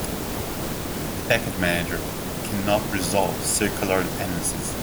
The package manager cannot resolve circular dependencies.